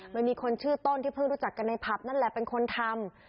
โดยมีคนชื่อต้นที่เพิ่งรู้จักกันในผับนั่นแหละเป็นคนทำ